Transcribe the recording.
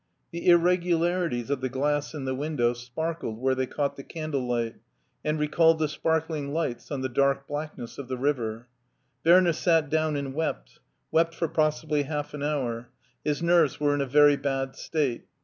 The irregu larities of the glass in the window sparkled where they caught the candle light and recalled the sparkling lights on the dark blackness of the river. Werner sat down and wept, wept for possibly half an hour; his nerves were in a very bad state.